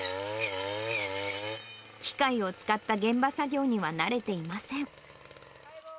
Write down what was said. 機械を使った現場作業には慣れていません。